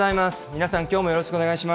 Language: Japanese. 皆さん、きょうもよろしくお願い